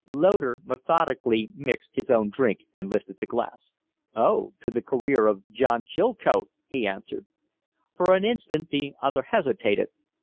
Loder methodically mixed his own drink and lifted the glass. "Oh, to the career of John Chilcote!" he answered. For an instant the other hesitated.